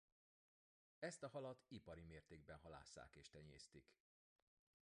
Ezt a halat ipari mértékben halásszák és tenyésztik.